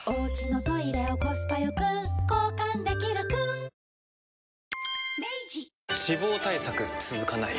「ビオレ」脂肪対策続かない